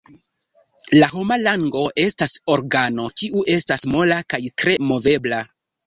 La homa lango estas organo, kiu estas mola kaj tre movebla.